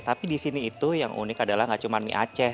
tapi di sini itu yang unik adalah gak cuma mie aceh